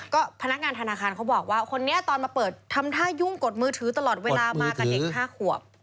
ก็พนักงานธนาคารเขาบอกว่าคนนี้ตอนมาเปิดทำท่ายุ่งกดมือถือตลอดเวลามากับเด็ก๕ขวบ